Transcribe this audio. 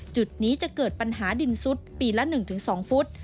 จุดนี้จะเกิดปัญหาดินซุดปีละ๑๒ฟุต